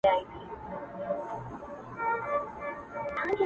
تا خو کړئ زموږ د مړو سپکاوی دی,